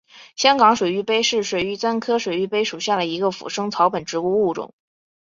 香港水玉杯是水玉簪科水玉杯属下的一个腐生草本植物物种。